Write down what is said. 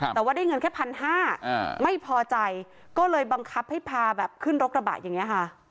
แต่ว่าได้เงินแค่๑๕๐๐ไม่พอใจก็เลยบังคับให้พาแบบขึ้นรถกระบะอย่างนี้ค่ะ